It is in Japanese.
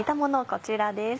こちらです。